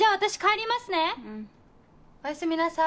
おやすみなさい。